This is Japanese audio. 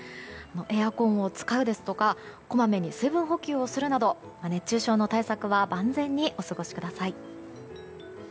エアコンを使うですとかこまめに水分補給をするなど熱中症の対策は万全にお過ごしください。